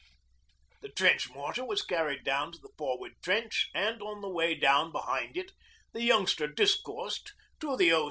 The trench mortar was carried down to the forward trench, and on the way down behind it the youngster discoursed to the O.